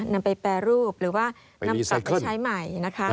นำไปแปรรูปหรือว่านำไปใช้ใหม่